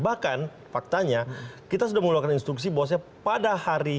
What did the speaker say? bahkan faktanya kita sudah melakukan instruksi bahwasanya pada hari ini